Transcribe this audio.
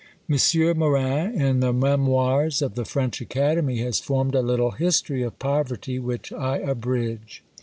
M. Morin, in the Memoirs of the French Academy, has formed a little history of Poverty, which I abridge.